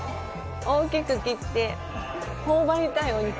大きく切って頬張りたいお肉。